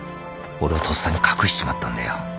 俺はとっさに隠しちまったんだよ。